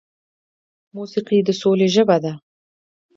موسیقي د سولې ژبه ده.